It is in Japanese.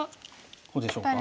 こうでしょうか？